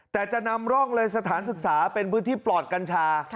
แต่จะนำร่องเลยสถานศึกษาเป็นพื้นที่ปลอดกัญชา